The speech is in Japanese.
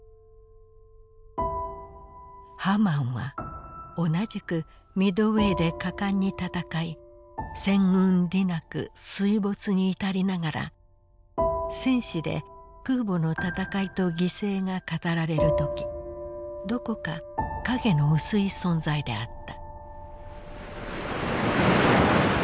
「『ハマン』は同じくミッドウェーで果敢にたたかい戦運利なく水没に至りながら戦史で空母のたたかいと犠牲が語られるときどこか影の薄い存在であった」。